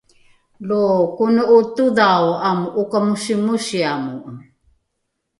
lo kone’o todhao amo’okamosimosiamo’o